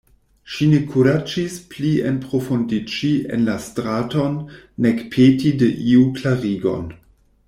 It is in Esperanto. Ŝi ne kuraĝis pli enprofundiĝi en la straton, nek peti de iu klarigon.